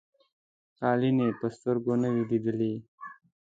قالیني په سترګو نه وې لیدلي.